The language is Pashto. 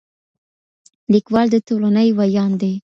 ليکوال د ټولنې وياند دی.